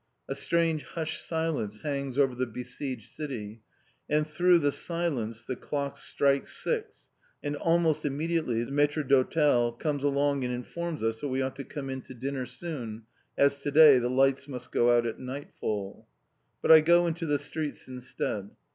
A strange hushed silence hangs over the besieged city, and through the silence the clocks strike six, and almost immediately the maître d'hôtel comes along and informs us that we ought to come in to dinner soon, as to day the lights must go out at nightfall! But I go into the streets instead.